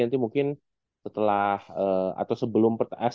nanti mungkin setelah atau sebelum perteas